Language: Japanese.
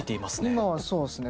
今はそうですね。